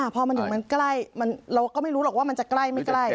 พอมันถึงมันใกล้เราก็ไม่รู้หรอกว่ามันจะใกล้ไม่ใกล้